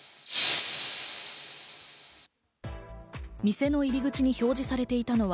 店の入口に表示されていたのは、